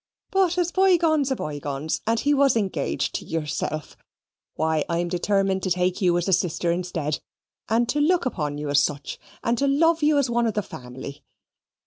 But as bygones are bygones, and he was engaged to yourself, why, I'm determined to take you as a sister instead, and to look upon you as such, and to love you as one of the family.